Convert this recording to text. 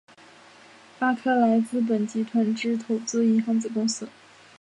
巴克莱资本集团之投资银行子公司。